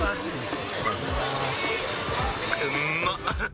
うまっ！